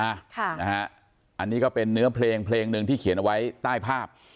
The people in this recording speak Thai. อันนี้ก็เป็นเนื้อเพลงเพลงหนึ่งที่เขียนเอาไว้ใต้ภาพ